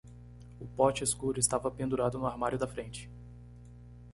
O pote escuro estava pendurado no armário da frente.